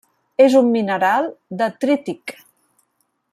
És un mineral detrític.